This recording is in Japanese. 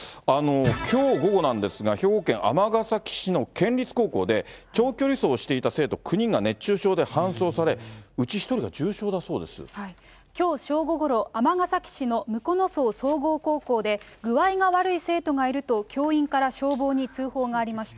きょう午後なんですが、兵庫県尼崎市の県立高校で、長距離走をしていた生徒９人が熱中症で搬送され、うち１人が重症きょう正午ごろ、尼崎市の武庫之荘総合高校で、具合が悪い生徒がいると、教員から消防に通報がありました。